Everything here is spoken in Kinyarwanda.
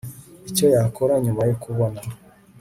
icyo yakora nyuma yo kubona